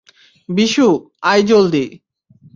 বিশু, আয় জলদি।